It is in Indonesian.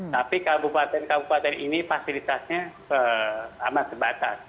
tapi kabupaten kabupaten ini fasilitasnya amat terbatas